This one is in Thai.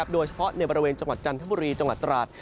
โดยเฉพาะในบริเวณจังหวัดจันทบุรีจังหวัดตราด